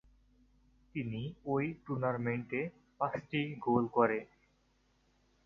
তিনি ওই টুর্নামেন্টে পাঁচটি গোল করে।